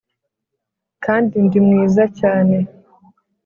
kandi ndi mwiza cyane